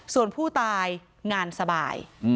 ส่วนผู้ตายงานสบาย